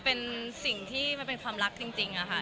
เป็นสิ่งที่มันเป็นความรักจริงค่ะ